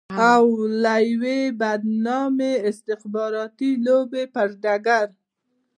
او د يوې بدنامې استخباراتي لوبې پر ډګر.